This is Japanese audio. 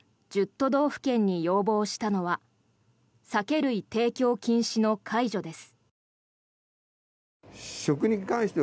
都道府県に要望したのは酒類提供禁止の解除です。